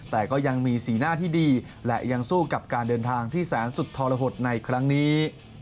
แต่ก็ยังมีสีหน้าที่ดีและยังสู้กับการเดินทางที่แสนสุดทรหดในครั้งนี้